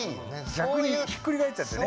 逆にひっくり返っちゃってね。